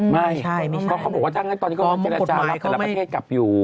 ไม่ใช่เขาบอกว่าตอนนี้ก็จะรับประเทศกลับอยู่